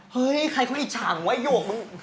เฮ้ยใครเค้าอิจฉากว่าไอ้หยวกมึง